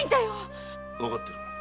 わかってる。